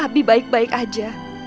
abi baik baik aja